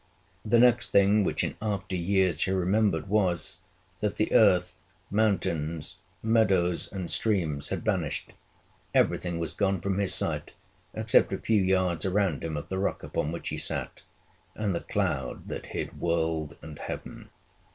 The next thing which in after years he remembered was, that the earth, mountains, meadows, and streams, had vanished; everything was gone from his sight, except a few yards around him of the rock upon which he sat, and the cloud that hid world and heaven.